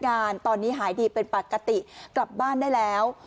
อาการตอนนี้หายดีเป็นปกติกลับบ้านได้แล้ว